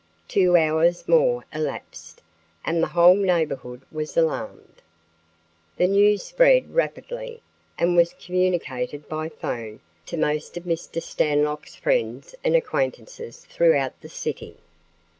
Two hours more elapsed and the whole neighborhood was alarmed. The news spread rapidly and was communicated by phone to most of Mr. Stanlock's friends and acquaintances throughout the city.